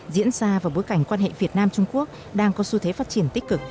diễn ra vào bối cảnh quan hệ việt nam trung quốc đang có xu thế phát triển tích cực